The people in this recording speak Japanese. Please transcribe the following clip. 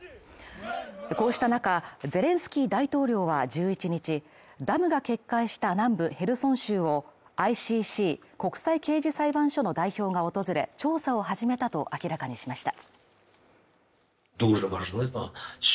こうした中、ゼレンスキー大統領は１１日、ダムが決壊した南部ヘルソン州をＩＣＣ＝国際刑事裁判所の代表が訪れ、調査を始めたと明らかにしました。